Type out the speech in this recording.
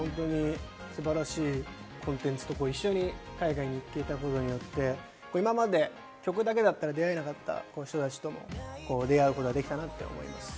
素晴らしいコンテンツとか一緒に海外に行っていただくことによって、今まで曲だけだっら出会えなかった人たちとも出会うことができたなって思います。